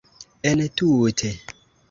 entute